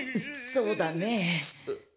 そうだね。